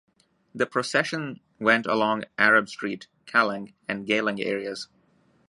The procession went along Arab Street, Kallang and Geylang areas.